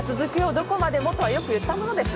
どこまでもとはよく言ったものです。